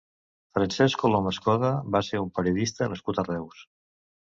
Francesc Colom Escoda va ser un periodista nascut a Reus.